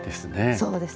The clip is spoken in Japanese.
そうです。